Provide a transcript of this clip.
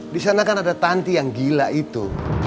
di sana kan ada tanti yang gila itu